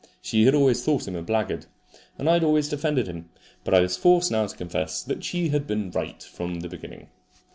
She had always thought him a blackguard, and I had always defended him; but I was forced now to confess that she had been right from the beginning.